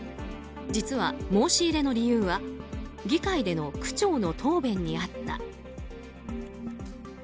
実は申し入れの理由は議会での区長の答弁にあった。